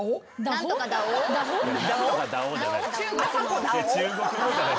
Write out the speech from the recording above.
「何とかだお」じゃない。